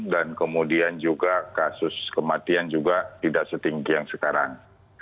dan kemudian juga kasus kematian juga tidak setinggi yang sekarang